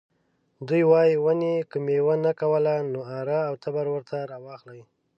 دوی وايي ونې که میوه نه کوله نو اره او تبر ورته راواخلئ.